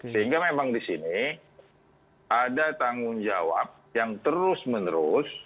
sehingga memang di sini ada tanggung jawab yang terus menerus